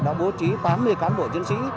đã bố trí tám mươi cán bộ dân sĩ